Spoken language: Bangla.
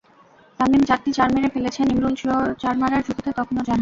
তামিম চারটি চার মেরে ফেলেছেন, ইমরুল চার মারার ঝুঁকিতে তখনো যাননি।